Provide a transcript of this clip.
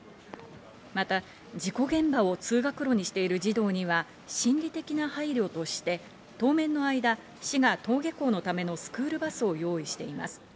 また事故現場を通学路にしている児童には心理的な配慮として当面の間、市が登下校のためのスクールバスを用意しています。